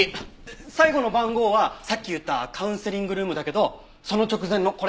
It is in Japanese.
最後の番号はさっき言ったカウンセリングルームだけどその直前のこれ。